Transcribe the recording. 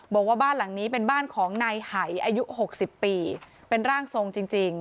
บอกว่าบ้านหลังนี้เป็นบ้านของนายหายอายุ๖๐ปีเป็นร่างทรงจริง